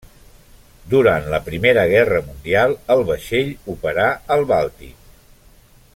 Durant la Primera Guerra Mundial el vaixell operà al Bàltic.